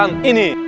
yang ini yaa